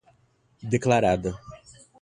declarada